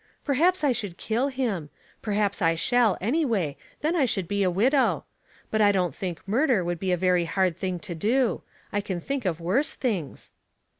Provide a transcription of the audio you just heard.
*' Perhaps I should kill him; perhaps I shall anyway , then I should be a widow. I don't think murder would be a very hard thing to do. I can think of worse things."